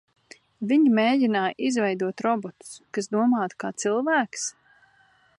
Viņi mēģināja izveidot robotu, kas domātu kā cilvēks?